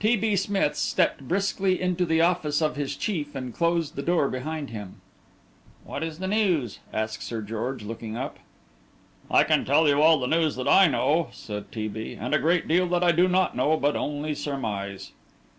T. B. Smith stepped briskly into the office of his chief and closed the door behind him. "What is the news?" asked Sir George, looking up. "I can tell you all the news that I know," said T. B., "and a great deal that I do not know, but only surmise."